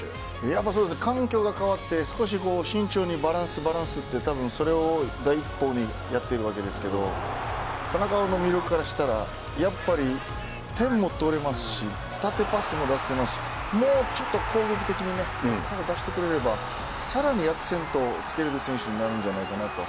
環境が変わって少し慎重にバランス、バランスでそれを第一歩にやっていくわけですけど田中碧の魅力からしたらやっぱり点も取れますし縦パスも出せますしもうちょっと攻撃的にねやってくれればさらにアクセントをつけられる選手になるんじゃないかなと。